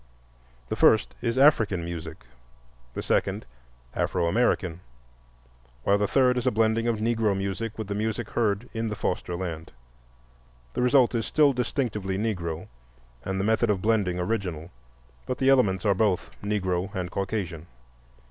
The first is African music, the second Afro American, while the third is a blending of Negro music with the music heard in the foster land. The result is still distinctively Negro and the method of blending original, but the elements are both Negro and Caucasian.